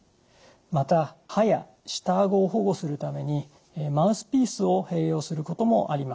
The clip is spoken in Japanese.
また歯や下顎を保護するためにマウスピースを併用することもあります。